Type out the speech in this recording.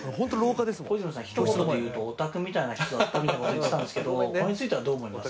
小泉さん「ひと言で言うとオタクみたいな人だった」みたいな事言ってたんですけどこれについてはどう思います？